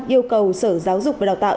yêu cầu sở giáo dục và đào tạo